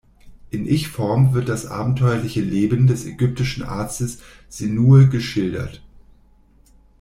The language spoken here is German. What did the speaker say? In Ich-Form wird das abenteuerliche Leben des ägyptischen Arztes Sinuhe geschildert.